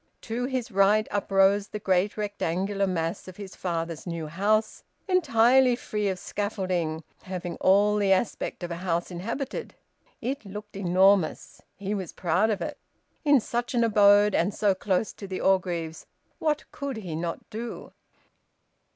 To his right uprose the great rectangular mass of his father's new house, entirely free of scaffolding, having all the aspect of a house inhabited. It looked enormous. He was proud of it. In such an abode, and so close to the Orgreaves, what could he not do?